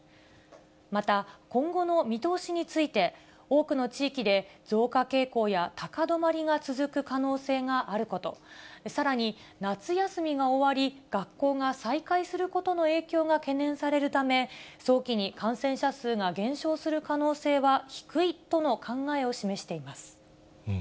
また、今後の見通しについて、多くの地域で増加傾向や高止まりが続く可能性があること、さらに、夏休みが終わり、学校が再開することの影響が懸念されるため、早期に感染者数が減少する可能性は低いとの考えを示しています。